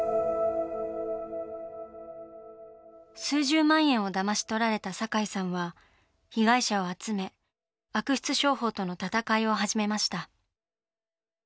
数十万円をだまし取られた堺さんは被害者を集め悪質商法との闘いを始めました。